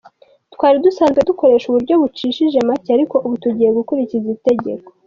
Twari dusanzwe dukoresha uburyo bucishije make ariko ubu tugiye gukurikiza itegeko.